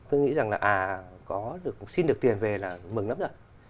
tôi nghĩ rằng là à xin được tiền về là mừng lắm rồi